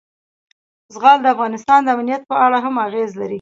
زغال د افغانستان د امنیت په اړه هم اغېز لري.